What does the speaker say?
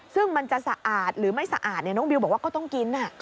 ซึ่งมันจะสะอาดหรือไม่สะอาดน้องบิวบอกว่าก็ต้องกิน